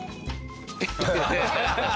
ハハハハ！